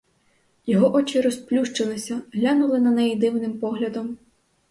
Його очі розплющилися, глянули на неї дивним поглядом.